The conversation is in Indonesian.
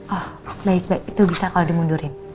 ah baik baik itu bisa kalau dimundurin